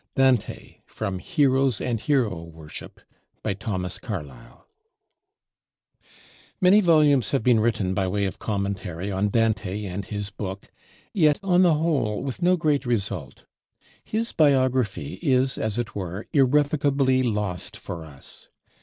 DANTE From 'Heroes and Hero Worship' Many volumes have been written by way of commentary on Dante and his Book; yet, on the whole, with no great result. His Biography is, as it were, irrevocably lost for us.